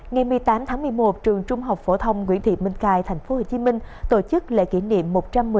ngày một mươi tám tháng một mươi một trường trung học phổ thông nguyễn thị minh khai tp hcm tổ chức lễ kỷ niệm